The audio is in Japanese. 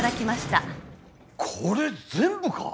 これ全部か！？